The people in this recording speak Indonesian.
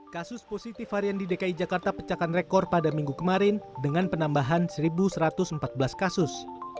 kasus positif harian di dki jakarta pecahkan rekor pada minggu kemarin dengan penambahan satu satu ratus empat belas kasus